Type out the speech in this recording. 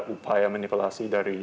upaya manipulasi dari